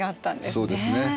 そうですね。